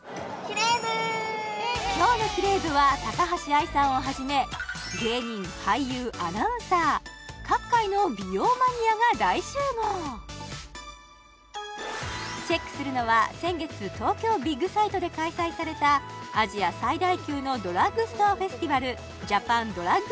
今日のキレイ部は高橋愛さんをはじめ芸人俳優アナウンサー各界の美容マニアが大集合チェックするのは先月東京ビッグサイトで開催されたアジア最大級のドラッグストアフェスティバル